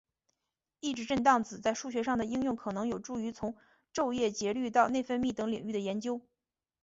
抑制震荡子在数学上的应用可能有助于从昼夜节律到内分泌等领域的研究。